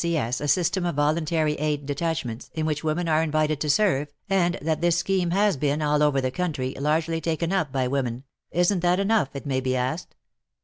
C.S., a system of Vokintary Aid Detachments, in which women are in vited to serve, and that this scheme has been, all over the country, largely taken up by women, isn't that enough, it may be asked